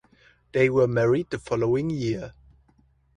They were married the following year.